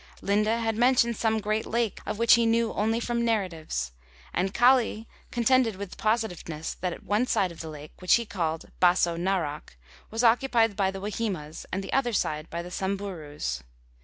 Linde had mentioned some great lake, of which he knew only from narratives, and Kali contended with positiveness that one side of that lake, which he called Basso Narok, was occupied by the Wahimas, and the other by the Samburus.